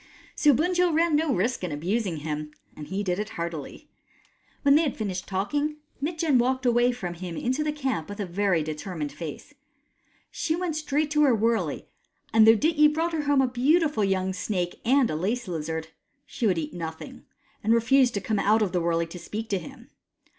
So Bunjil ran no risk in abusing him, and he did it heartily. When they had finished talking, Mitjen walked away from him into the camp with a very determined face. She went straight to her wurley, and though Dityi brought her home a beautiful young snake and a lace lizard, she would eat no thing and refused to come out of the wurley to speak to him.